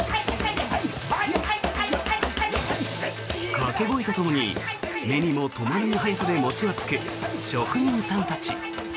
掛け声とともに目にも止まらぬ速さで餅をつく職人さんたち。